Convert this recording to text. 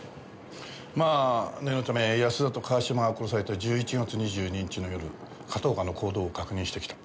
まあ念のため安田と川島が殺された１１月２２日の夜片岡の行動を確認してきた。